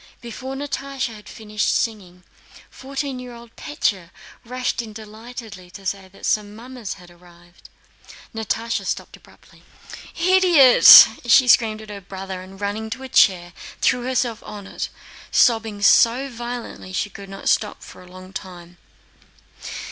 Before Natásha had finished singing, fourteen year old Pétya rushed in delightedly, to say that some mummers had arrived. Natásha stopped abruptly. "Idiot!" she screamed at her brother and, running to a chair, threw herself on it, sobbing so violently that she could not stop for a long time.